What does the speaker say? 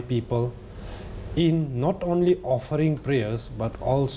ในเวลาแห่งนี้คุณส่งโปรดภารกิจกับคนไทย